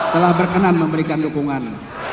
telah berkenan memberikan dukungan